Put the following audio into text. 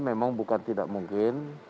memang bukan tidak mungkin